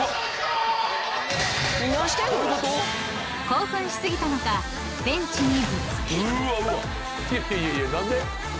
［興奮し過ぎたのかベンチに］